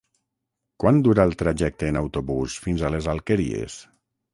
Quant dura el trajecte en autobús fins a les Alqueries?